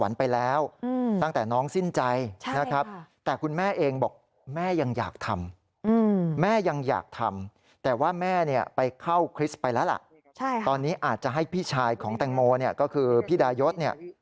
ก็คือพี่ดายธนะครับ